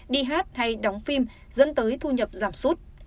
đi hát hay đóng phim dẫn tới thu nhập giảm sút